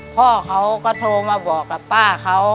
พ่อเขาก็โทรมาบอกกับป้าเขา